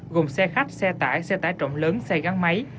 gồm xe khách xe tải xe tải trọng lớn xe gắn máy